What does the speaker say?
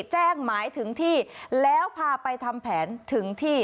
หมายถึงที่แล้วพาไปทำแผนถึงที่